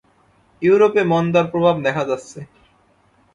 ইউরোপে মন্দার প্রভাব দেখা যাচ্ছে।